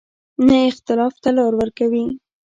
نه اختلاف ته لار ورکوي.